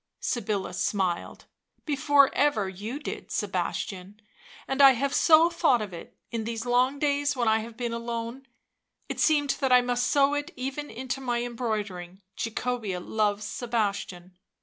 Sybilla smiled. " Before ever you did, Sebastian, and I have so thought of it, in these long days when I have been alone, it seemed that I must sew it even into my embroideries —' Jacobea loves Sebastian.